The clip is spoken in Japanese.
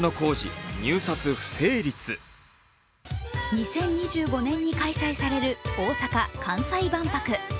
２０２５年に開催される大阪・関西万博。